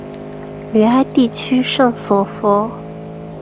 吕埃地区圣索弗。